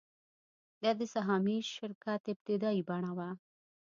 دا د سهامي شرکت ابتدايي بڼه وه